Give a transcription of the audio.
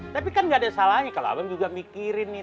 tapi kan gak ada salahnya kalo abang juga mikirin nih